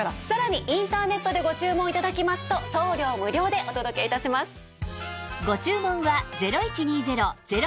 さらにインターネットでご注文頂きますと送料無料でお届け致します。